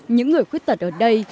những người khuất tật ở đây